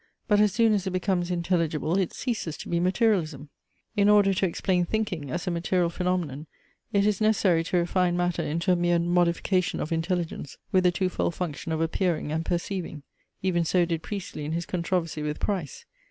But as soon as it becomes intelligible, it ceases to be materialism. In order to explain thinking, as a material phaenomenon, it is necessary to refine matter into a mere modification of intelligence, with the two fold function of appearing and perceiving. Even so did Priestley in his controversy with Price.